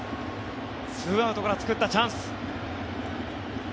２アウトから作ったチャンス。